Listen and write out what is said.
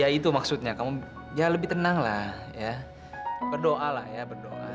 ya itu maksudnya kamu ya lebih tenang lah ya berdoa lah ya berdoa